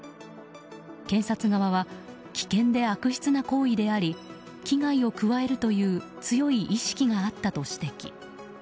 検察側は危険で悪質な行為であり危害を加えるという強い意識があったと指摘。